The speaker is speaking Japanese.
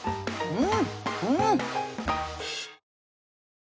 うん！